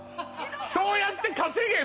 そうやって稼げ！